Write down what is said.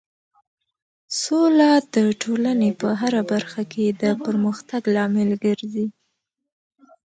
سوله د ټولنې په هر برخه کې د پرمختګ لامل ګرځي.